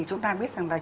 chúng ta biết rằng là